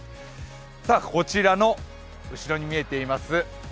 こちらの後ろに見えています